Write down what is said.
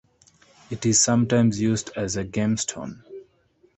It is sometimes used as a gemstone.